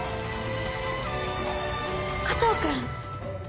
加藤君！